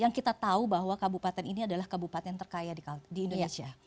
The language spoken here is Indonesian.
yang kita tahu bahwa kabupaten ini adalah kabupaten terkaya di indonesia